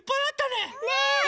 ねえ！